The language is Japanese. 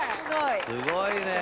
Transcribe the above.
すごいね。